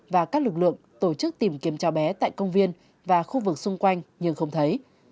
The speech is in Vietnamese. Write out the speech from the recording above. và các lực lượng tổ chức tìm kiếm cháu bé tại công viên và khu vực xung quanh nhưng không thấy